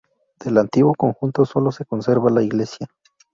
Del antiguo conjunto solo se conserva la iglesia.